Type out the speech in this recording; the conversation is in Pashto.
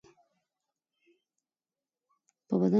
په بدن کې شاوخوا شپږ سوه غدودي دي.